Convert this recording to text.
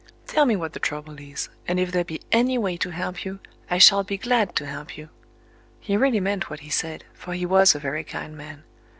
Tell me what the trouble is; and if there be any way to help you, I shall be glad to help you." (He really meant what he said; for he was a very kind man.)